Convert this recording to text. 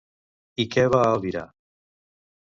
I què va albirar?